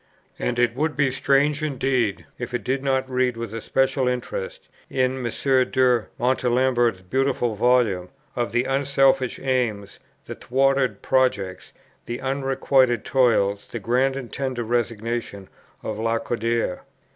And it would be strange indeed if I did not read with a special interest, in M. de Montalembert's beautiful volume, of the unselfish aims, the thwarted projects, the unrequited toils, the grand and tender resignation of Lacordaire.